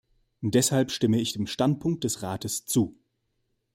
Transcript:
Deshalb stimme ich dem Standpunkt des Rates zu.